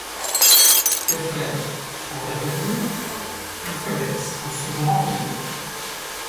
Que faire ? intervenir ? une faiblesse en secourant une autre !